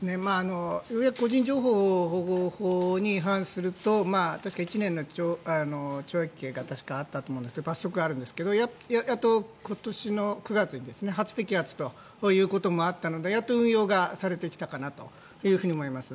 個人情報保護法に違反すると確か１年の懲役刑があったと思うんですが罰則があるんですけどやっと今年の９月に初摘発ということもあったのでやっと運用がされてきたのかなと思います。